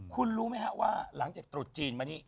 คุณรู้ไหมฮะว่าหลังจากตรุษจีนมานี่